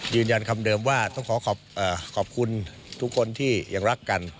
ยืนยันคำเดิมว่าต้องขอขอบคุณทุกคนที่ยังรักกัน